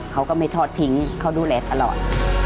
เขาก็ไม่ทอดทิ้งเขาดูแลตลอด